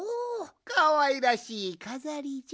かわいらしいかざりじゃ。